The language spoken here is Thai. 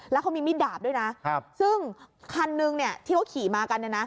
แล้วเขามีมิดดาบด้วยนะซึ่งคันหนึ่งที่เขาขี่มากัน